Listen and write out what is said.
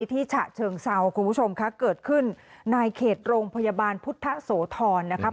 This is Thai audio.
ฉะเชิงเซาคุณผู้ชมค่ะเกิดขึ้นในเขตโรงพยาบาลพุทธโสธรนะครับ